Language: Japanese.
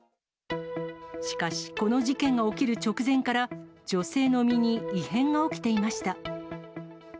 しかし、この事件が起きる直前から、女性の身に異変が起きていました。